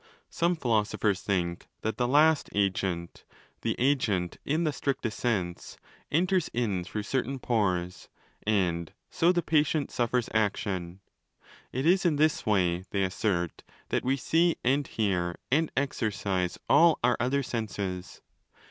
Some philosophers think that the 'last' agent—the 'agent' in the strictest sense—enters in through certain pores, and so the patient suffers action. It is in this way, they assert, that we see and hear and exercise all our other senses.